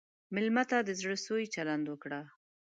مېلمه ته د زړه سوي چلند وکړه.